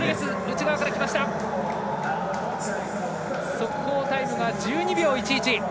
速報タイムが１２秒１１。